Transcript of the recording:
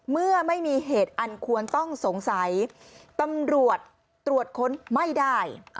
เมื่อไม่มีเหตุอันควรต้องสงสัยตำรวจตรวจค้นไม่ได้